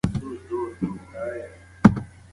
مورنۍ ژبه پیچلتیا کموي.